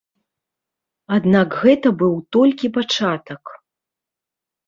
Аднак гэта быў толькі пачатак.